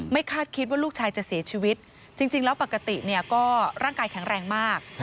คาดคิดว่าลูกชายจะเสียชีวิตจริงแล้วปกติเนี่ยก็ร่างกายแข็งแรงมาก